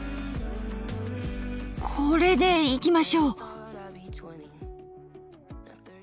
これでいきましょう。